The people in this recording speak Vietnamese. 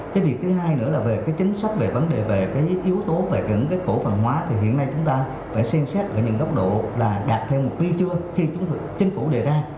cái việc thứ hai nữa là về cái chính sách về vấn đề về cái yếu tố về những cái cổ phần hóa thì hiện nay chúng ta phải xem xét ở những góc độ là đạt theo mục tiêu chưa khi chính phủ đề ra